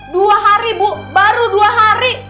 dua hari bu baru dua hari